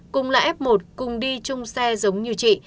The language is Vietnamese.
cùng là f một cùng đi chung xe giống như chị